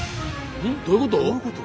えどういうこと？